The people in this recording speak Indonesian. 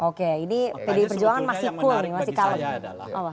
oke ini pdi perjuangan masih full masih kalem